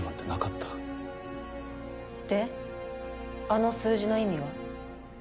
あの数字の意味は？